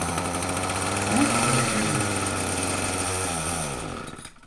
Outre les huguenots.